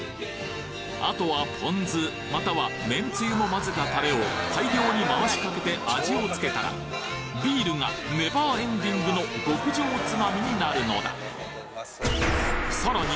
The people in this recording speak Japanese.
あとはポン酢またはめんつゆも混ぜたタレを大量に回しかけて味をつけたらビールがネバーエンディングの極上つまみになるのださらに